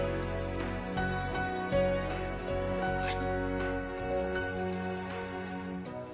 はい。